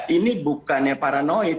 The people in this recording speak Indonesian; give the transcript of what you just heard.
ini bukannya paranoid